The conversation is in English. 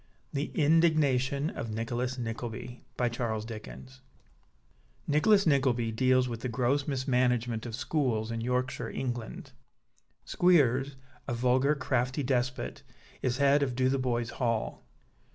THE INDIGNATION OF NICHOLAS NICKLEBY ("Nicholas Nickleby" deals with the gross mismanagement of schools in Yorkshire, England. Squeers, a vulgar, crafty despot, is head of Dotheboys Hall.